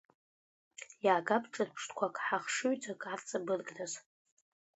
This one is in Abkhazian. Иаагап ҿырԥштәқәак ҳахшыҩҵак арҵабыргразы…